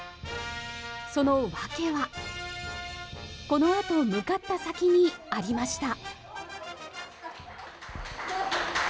その訳は、このあと向かった先にありました。